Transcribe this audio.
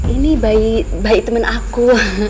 ini bayi bayi temen aku